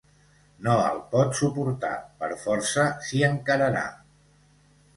No el pot suportar: per força s'hi encararà!